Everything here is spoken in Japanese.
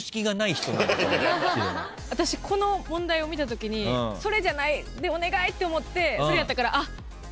私この問題を見たときにそれじゃないお願いって思ってそれやったからあ！って思いました。